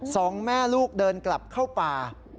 สองแม่ลูกเดินกลับเข้าป่า